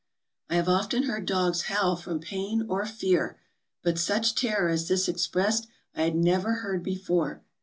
I have often heard dogs howl from pain or fear, but such terror as this expressed I had never heard before.